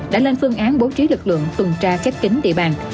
đã lên phương án bố trí lực lượng tuần tra khép kính địa bàn